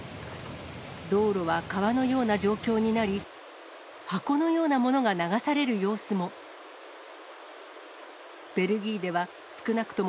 道路は川のような状況になり、箱のようなものが流される様子も。